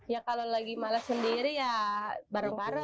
ya kalau lagi males sendiri ya bareng bareng